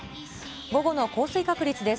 午後の降水確率です。